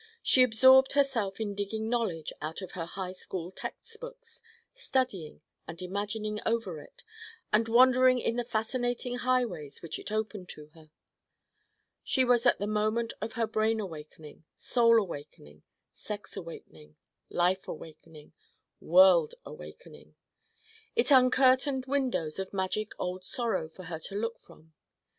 She absorbed herself in digging knowledge out of her high school text books, studying and imagining over it, and wandering in the fascinating highways which it opened to her. She was at her moment of brain awakening, soul awakening, sex awakening, life awakening, world awakening: it uncurtained windows of magic old sorrow for her to look from.